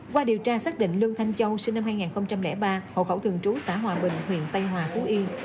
qua điều tra xác định lương thanh châu sinh năm hai nghìn ba hộ khẩu thường trú xã hòa bình huyện tây hòa phú yên